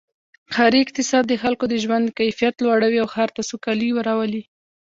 ښاري اقتصاد د خلکو د ژوند کیفیت لوړوي او ښار ته سوکالي راولي.